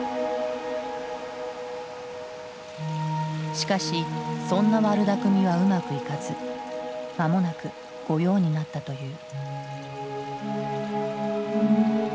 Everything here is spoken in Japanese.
しかしそんな悪だくみはうまくいかず間もなく御用になったという。